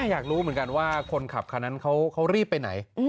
อยากรู้เหมือนกันว่าคนขับคันนั้นเขารีบไปไหน